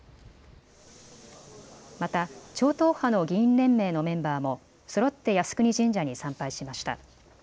また超党派の議員連盟のメンバーもそろって靖国神社に参拝しました。